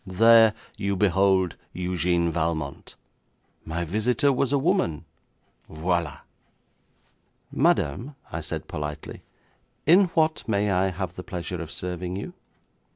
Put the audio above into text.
There you behold Eugène Valmont. My visitor was a woman. Voilà! 'Madam,' I said politely, 'in what may I have the pleasure of serving you?'